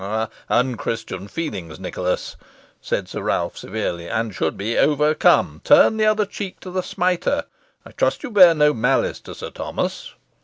"Unchristian feelings, Nicholas," said Sir Ralph, severely, "and should be overcome. Turn the other cheek to the smiter. I trust you bear no malice to Sir Thomas."